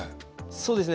そうですね。